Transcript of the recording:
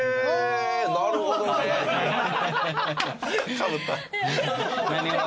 かぶった。